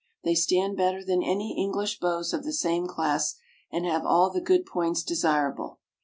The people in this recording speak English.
They stand better than any English Bows of the same class, and have all the good points desirable.